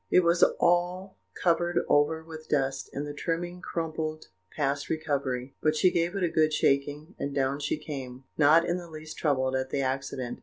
It was all covered over with dust, and the trimming crumpled past recovery; but she gave it a good shaking, and down she came, not in the least troubled at the accident.